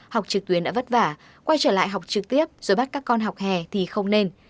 học trực tuyến đã vất vả quay trở lại học trực tiếp rồi bắt các con học hè thì không nên